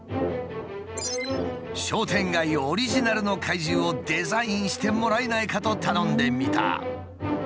商店街オリジナルの怪獣をデザインしてもらえないかと頼んでみた。